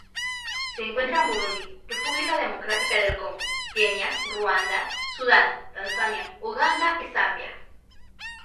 Se encuentran en Burundi, República Democrática del Congo, Kenia, Ruanda, Sudán, Tanzania, Uganda, Zambia.